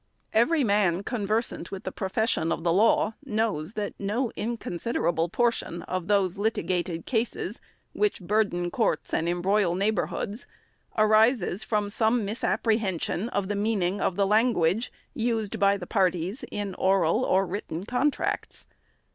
Every man, con versant with the profession of the law, knows that no inconsiderable portion of those litigated cases, which burden courts and embroil neighborhoods, arises from some misapprehension of the meaning of the language, used by the parties, in oral or written contracts.